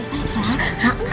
sah sah sah